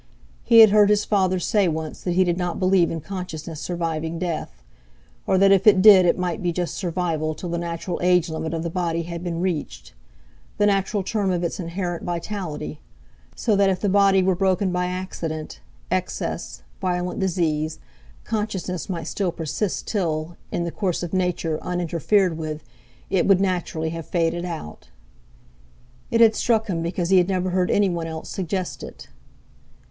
He had heard his father say once that he did not believe in consciousness surviving death, or that if it did it might be just survival till the natural age limit of the body had been reached—the natural term of its inherent vitality; so that if the body were broken by accident, excess, violent disease, consciousness might still persist till, in the course of Nature uninterfered with, it would naturally have faded out. It had struck him because he had never heard any one else suggest it.